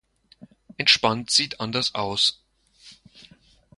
Entspannt sieht anders aus.